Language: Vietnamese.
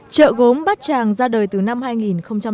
chợ gốm bát tràng ra đời từ năm hai nghìn bốn